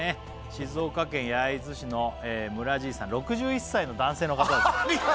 静岡県焼津市の村爺さん６１歳の男性の方です